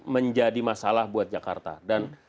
menjadi masalah buat jakarta dan